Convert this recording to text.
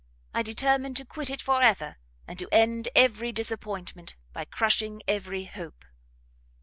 I determined to quit it for ever, and to end every disappointment, by crushing every hope.